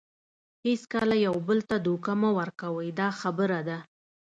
هیڅکله یو بل ته دوکه مه ورکوئ دا خبره ده.